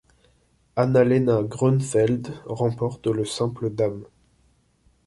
Anna-Lena Grönefeld remporte le simple dames.